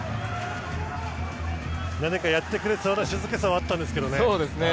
何かやってくれそうな静けさはあったんですけどね。